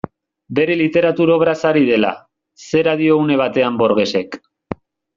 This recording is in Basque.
Bere literatur obraz ari dela, zera dio une batean Borgesek.